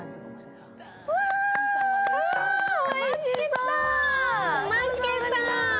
うわ、おいしそう。